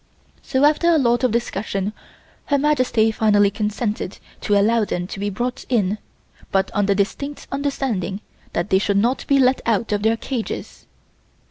So after a lot of discussion Her Majesty finally consented to allow them to be brought in but on the distinct understanding that they should not be let out of their cages.